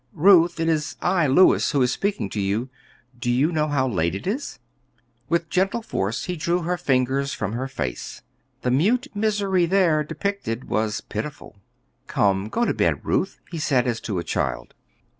"Ruth, it is I, Louis, who is speaking to you. Do you know how late it is?" With gentle force he drew her fingers from her face. The mute misery there depicted was pitiful. "Come, go to bed, Ruth," he said as to a child.